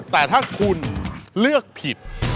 แต่ถ้าคุณเลือกผิด